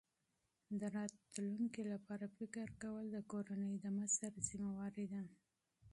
د راتلونکي لپاره فکر کول د کورنۍ د پلار مسؤلیت دی.